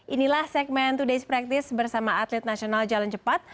inilah segmen today's practice bersama atlet nasional jalan cepat